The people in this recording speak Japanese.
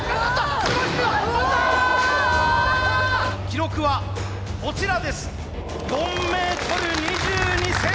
記録はこちらです。